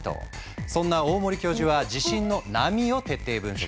そんな大森教授は地震の波を徹底分析。